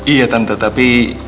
iya tante tapi